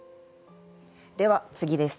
では次です。